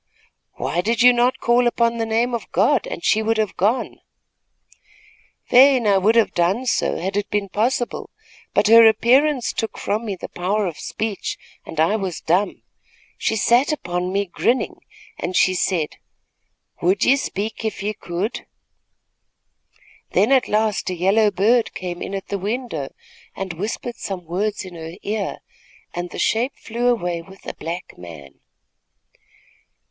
"Why did you not call upon the name of God, and she would have gone?" "Fain would I have done so, had it been possible; but her appearance took from me the power of speech, and I was dumb. She sat upon me, grinning at me, and she said: "'Would ye speak if ye could?' "Then at last a yellow bird came in at the window and whispered some words in her ear, and the shape flew away with a black man."